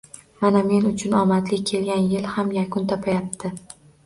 Mana, men uchun omadli kelgan yil ham yakun topayapti